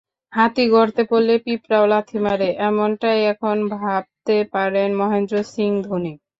হাতি গর্তে পড়লে পিঁপড়াও লাথি মারে—এমনটাই এখন ভাবতে পারেন মহেন্দ্র সিং ধোনি।